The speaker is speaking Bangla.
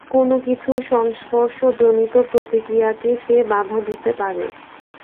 কোন কিছুর সংস্পর্শ-জনিত প্রতিক্রিয়াকে সে বাধা দিতে পারে।